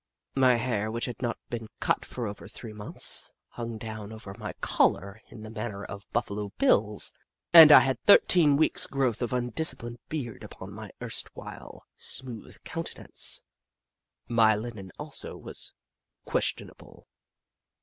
My hair, which had not been cut for over three months, hung down over my collar in the manner of Buffalo Bill's, and I had a thirteen weeks' growth of undisciplined beard upon my erst while smooth countenance. My linen, also, was questionable.